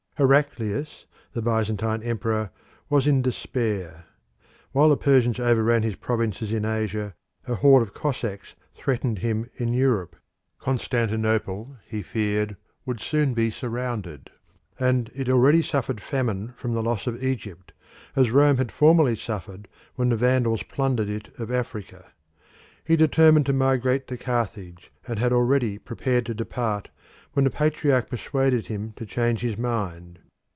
Heraclius, the Byzantine emperor, was in despair. While the Persians overran his provinces in Asia a horde or Cossacks threatened him in Europe. Constantinople, he feared, would soon be surrounded, and it already suffered famine from the loss of Egypt, as Rome had formerly suffered when the Vandals plundered it of Africa. He determined to migrate to Carthage, and had already prepared to depart when the Patriarch persuaded him to change his mind.